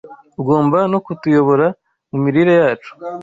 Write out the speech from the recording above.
Ugomba no kutuyobora mu mirire yacu.